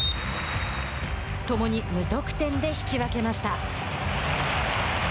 共に無得点で引き分けました。